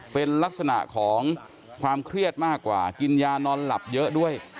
เป็นลักษณะของความเครียดมากกว่ากินยานอนหลับเยอะด้วย